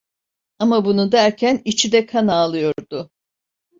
Ama bunu derken içi de kan ağlıyordu.